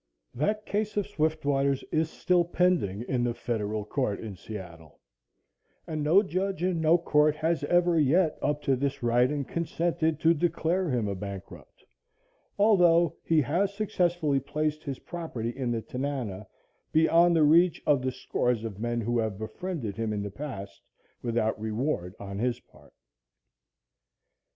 That case of Swiftwater's is still pending in the Federal Court in Seattle, and no judge and no court has ever yet, up to this writing, consented to declare him a bankrupt, although he has successfully placed his property in the Tanana beyond the reach of the scores of men who have befriended him in the past without reward on his part.